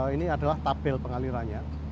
ini adalah tabel pengalirannya